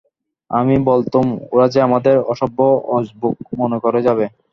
আমি বলতুম, ওরা যে আমাদের অসভ্য অজবুগ মনে করে যাবে।